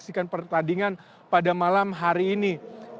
jika tidak kira kira mereka tidak akan mencari pertandingan